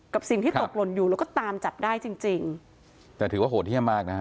กับสิ่งที่ตกหล่นอยู่แล้วก็ตามจับได้จริงจริงแต่ถือว่าโหดเยี่ยมมากนะฮะ